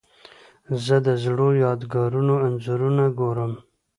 زه د زړو یادګارونو انځورونه ګورم.